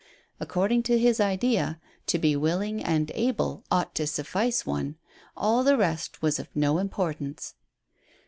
According to his idea, to be willing and able ought to suffice one. All the rest was of no importance.